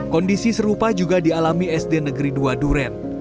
kondisi serupa juga dialami sd negeri dua duren